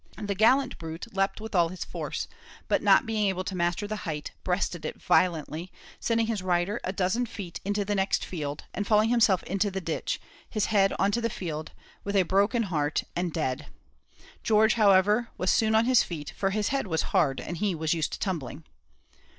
The gallant brute leapt with all his force, but not being able to master the height, breasted it violently, sending his rider a dozen feet into the next field, and falling himself into the ditch, his head on to the field, with a broken heart, and dead! George, however, was soon on his feet, for his head was hard and he was used to tumbling.